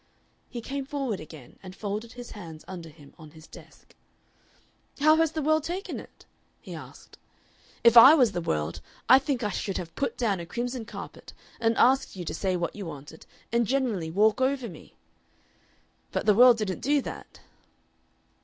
He came forward again and folded his hands under him on his desk. "How has the world taken it?" he asked. "If I was the world I think I should have put down a crimson carpet, and asked you to say what you wanted, and generally walk over me. But the world didn't do that."